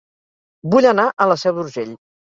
Vull anar a La Seu d'Urgell